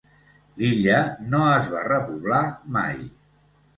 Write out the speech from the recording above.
L'illa no es va repoblar mai.